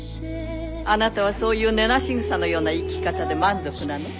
あなたはそういう根無し草のような生き方で満足なの？